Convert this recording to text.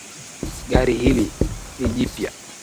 Gari hili ni jipya